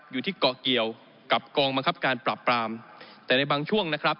อยู่ที่เกาะเกี่ยวกับกองบังคับการปราบปรามแต่ในบางช่วงนะครับ